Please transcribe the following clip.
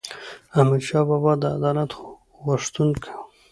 احمدشاه بابا د عدالت غوښتونکی و.